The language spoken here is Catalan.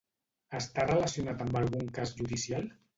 Està relacionat amb algun cas judicial?